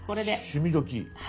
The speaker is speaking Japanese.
「趣味どきっ！」。